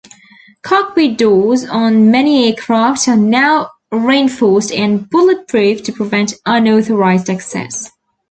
Cockpit doors on many aircraft are now reinforced and bulletproof to prevent unauthorized access.